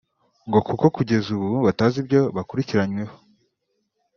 ngo kuko kugeza ubu batazi ibyo bakurikiranyweho